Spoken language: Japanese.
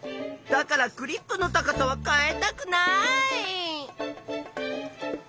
だからクリップの高さは変えたくない！